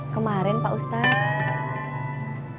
kemarin pak ustaz